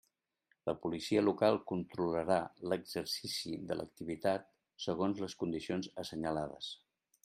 La Policia Local controlarà l'exercici de l'activitat segons les condicions assenyalades.